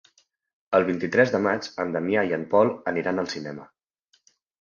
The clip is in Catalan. El vint-i-tres de maig en Damià i en Pol aniran al cinema.